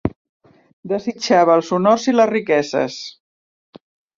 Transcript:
Desitjava els honors i les riqueses.